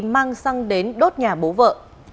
mang xăng đến đốt nhà bố vợ